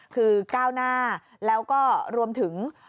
คือก้าวหน้าแล้วก็รวมถึง